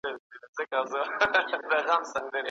بریالي خلک په خپلو کارونو کي خطر مني.